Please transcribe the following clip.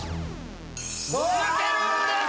抜けるんです！